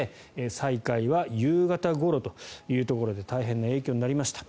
再開は夕方ごろというところで大変な影響になりました。